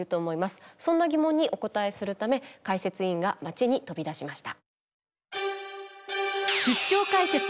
そんな疑問にお答えするため解説委員が街に飛び出しました。